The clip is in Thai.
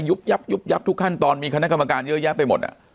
ยุบยับทุกขั้นตอนมีคณะกรรมการเยอะแยะไปหมด